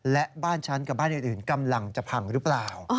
และบ้านฉันกับบ้านอื่นกำลังจะพังหรือเปล่า